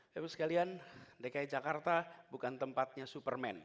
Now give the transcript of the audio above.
bapak ibu sekalian dki jakarta bukan tempatnya superman